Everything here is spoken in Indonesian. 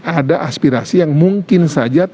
ada aspirasi yang mungkin saja